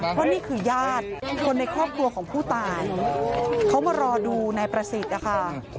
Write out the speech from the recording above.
เพราะนี่คือญาติคนในครอบครัวของผู้ตายเขามารอดูนายประสิทธิ์นะคะ